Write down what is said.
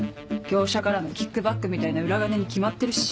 業者からのキックバックみたいな裏金に決まってるし。